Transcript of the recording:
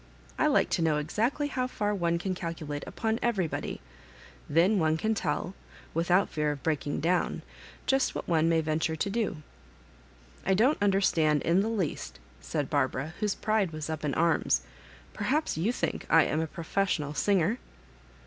I like to know ex actly how fiir one can calculate upon everybody ; then one can tell, without fear of breaking down, just what one may venture to do." " I don't understand in the least," said Barbara, whose pride was up in arms. •* Perhaps you think I am a professional singer?"